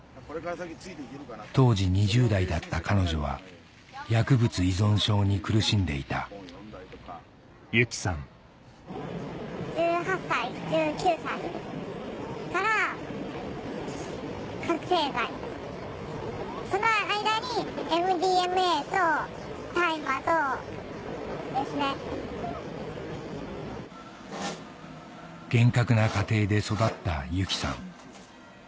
当時２０代だった彼女は薬物依存症に苦しんでいた厳格な家庭で育ったユキさん